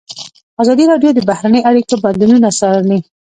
ازادي راډیو د بهرنۍ اړیکې بدلونونه څارلي.